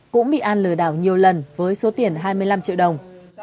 cũng bị an lừa đảo nhiều lần với số tiền hai mươi năm triệu đồng